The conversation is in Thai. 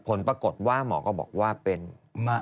ผลปรากฏว่าหมอก็บอกว่าเป็น